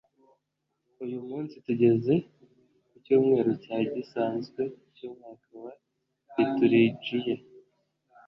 uyu munsi tugeze ku cyumweru cya gisanzwe cy'umwaka wa liturijiya